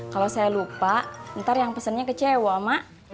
kalau saya lupa ntar yang pesannya kecewa mak